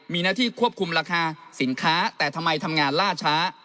มีหน้าที่ควบคุมราคาสินค้าแต่ทำไมทำงานล่าช้า